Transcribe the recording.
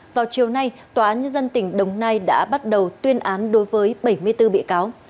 vào chiều nay tòa án nhân dân tỉnh đồng nai đã bắt đầu tuyên án đối với bảy mươi bốn bị cáo